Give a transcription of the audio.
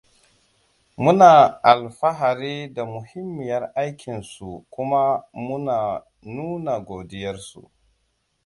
Muna alfahari da muhimmiyar aikin su kuma muna nuna godiyarsu.